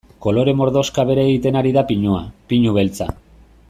Kolore mordoxka bere egiten ari da pinua, pinu beltza.